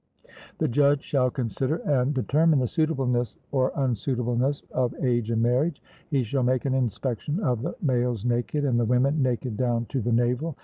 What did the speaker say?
The judge shall consider and determine the suitableness or unsuitableness of age in marriage; he shall make an inspection of the males naked, and of the women naked down to the navel.